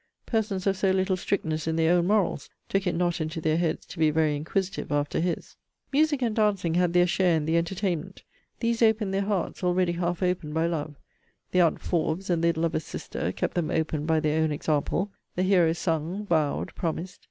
Persons of so little strictness in their own morals, took it not into their heads to be very inquisitive after his. Music and dancing had their share in the entertainment. These opened their hearts, already half opened by love: The aunt Forbes, and the lover's sister, kept them open by their own example. The hero sung, vowed, promised.